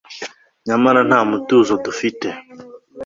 nyamara nta mutuzo dufite